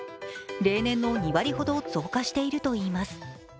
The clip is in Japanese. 例年の２割ほど増加しているといいます。